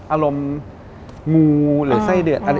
อารมณ์งูหรือไส้เดือน